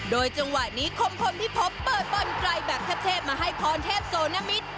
โดยจังหวะนี้คมพลพิพบเปิดต้นไกลแบบเทพมาให้พรเทพโซนมิตร